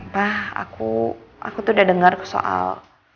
pa aku tuh udah dengar soal